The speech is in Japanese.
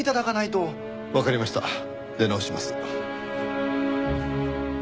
わかりました出直します。